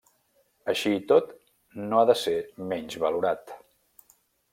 Així i tot, no ha de ser menysvalorat.